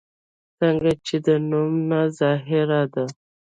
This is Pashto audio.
څنګه چې د نوم نه ظاهره ده